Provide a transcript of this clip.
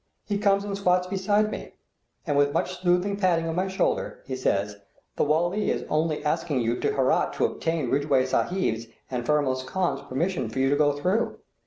He comes and squats beside me, and, with much soothing patting of my shoulder, he says: "The Wali is only taking you to Herat to obtain Ridgeway Sahib's and Faramorz Khan's permission for you to go through.